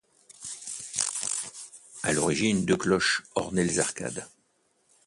À l’origine, deux cloches ornées les arcades.